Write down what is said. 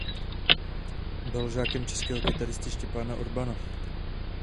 Byl žákem českého kytaristy Štěpána Urbana.